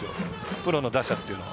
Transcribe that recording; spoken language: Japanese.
プロの打者っていうのは。